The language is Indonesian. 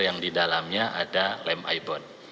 yang di dalamnya ada lem ibon